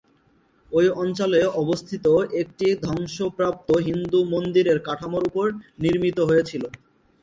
ঐ অঞ্চলে অবস্থিত একটি ধ্বংসপ্রাপ্ত হিন্দু মন্দিরের কাঠামোর উপরে নির্মিত হয়েছিল।